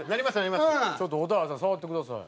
ちょっと蛍原さん触ってください。